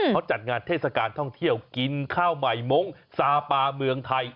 เขาจัดงานเทศกาลท่องเที่ยวกินข้าวใหม่มงค์ซาปาเมืองไทย